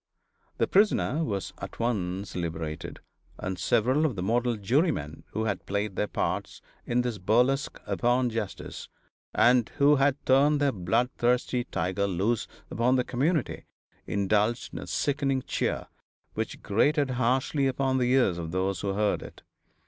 The prisoner was at once liberated, and several of the model jurymen who had played their parts in this burlesque upon justice, and who had turned their bloodthirsty tiger loose upon the community indulged in a sickening cheer which grated harshly upon the ears of those who heard it.